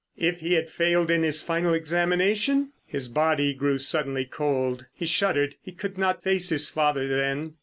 If he had failed in his final examination? His body grew suddenly cold, he shuddered. He could not face his father then.